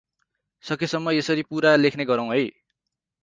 सकेसम्म यसरी पुरा लेख्ने गरौँ है ।